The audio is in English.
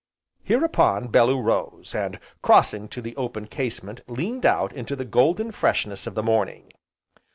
Hereupon, Bellew rose, and crossing to the open casement leaned out into the golden freshness of the morning.